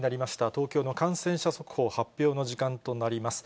東京の感染者速報発表の時間となります。